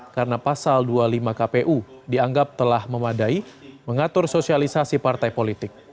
karena pasal dua puluh lima kpu dianggap telah memadai mengatur sosialisasi partai politik